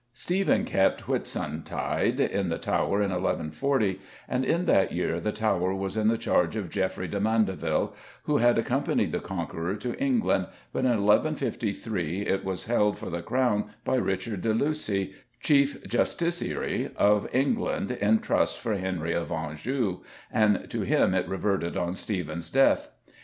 Stephen kept Whitsuntide in the Tower in 1140, and in that year the Tower was in the charge of Geoffrey de Mandeville, who had accompanied the Conqueror to England, but in 1153 it was held for the Crown by Richard de Lucy, Chief Justiciary of England, in trust for Henry of Anjou, and to him it reverted on Stephen's death.